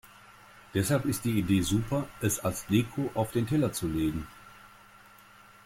Deshalb ist die Idee super, es als Deko auf den Teller zu legen.